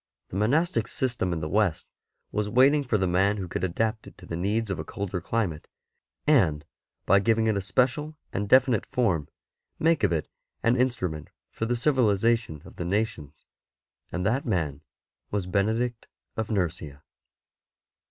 The monastic system in the West was waiting for the man who could adapt it to the needs of a colder climate, and, by giving it a special and definite form, make of it an instrument for the civihzation of the nations, and that man was Benedict of Nursia.